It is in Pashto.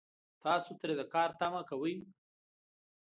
تاسو ترې د کار تمه کوئ